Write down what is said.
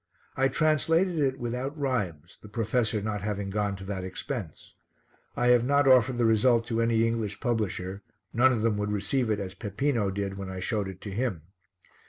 I translated it without rhymes, the professor not having gone to that expense. I have not offered the result to any English publisher, none of them would receive it as Peppino did when I showed it to him.